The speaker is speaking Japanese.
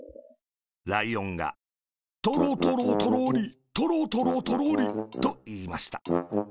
ライオンが「トロトロトロリ、トロトロ、トロリ。」と、いいました。